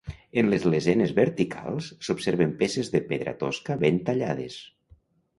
En les lesenes verticals s'observen peces de pedra tosca ben tallades.